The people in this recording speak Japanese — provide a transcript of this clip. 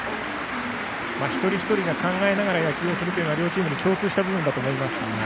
一人一人が考えて野球をするのは両チームに共通した部分だと思いますが。